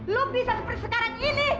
lu bisa seperti sekarang ini